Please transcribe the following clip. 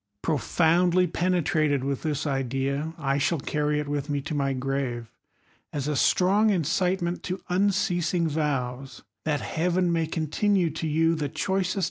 ' Profoundly penetrated with this idea, I shall carry it I with me to my grave, as a strong incitement to unceas I in^ vows that Heaven may continue to you the choicest